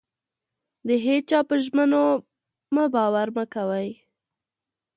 د هيچا په ژمنو مه باور مه کوئ.